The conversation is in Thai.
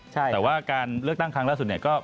แต่ว่าการเลือกตั้งครั้งล่าสุดเนี่ยก็